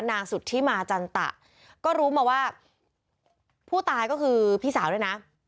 สุธิมาจันตะก็รู้มาว่าผู้ตายก็คือพี่สาวด้วยนะ